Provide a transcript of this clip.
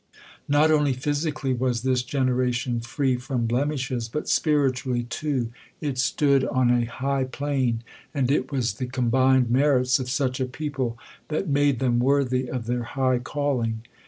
Not only physically was this generation free from blemishes, but spiritually, too, it stood on a high plane, and it was the combined merits of such a people that made them worthy of their high calling.